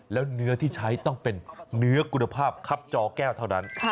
แล้วเนื้อที่ใช้ต้องเป็นเนื้อคุณภาพครับจอแก้วเท่านั้น